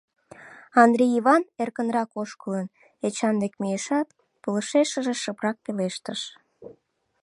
Андри Иван, эркынрак ошкылын, Эчан дек мийышат, пылышешыже шыпрак пелештыш: